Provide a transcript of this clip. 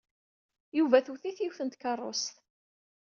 Yuba twet-it yiwet n tkeṛṛust.